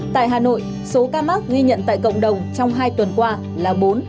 tại hà nội số ca mắc ghi nhận tại cộng đồng trong hai tuần qua là bốn